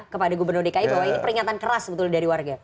kepada gubernur dki bahwa ini peringatan keras sebetulnya dari warga